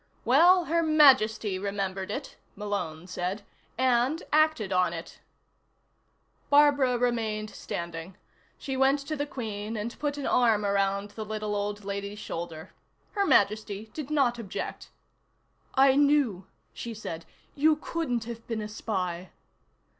"Well, Her Majesty remembered it," Malone said. "And acted on it." Barbara remained standing. She went to the Queen and put an arm around the little old lady's shoulder. Her Majesty did not object. "I knew," she said. "You couldn't have been a spy."